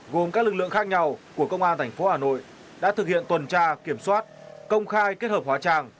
gồm các lực lượng khác nhau của công an tp hà nội đã thực hiện tuần tra kiểm soát công khai kết hợp hóa trang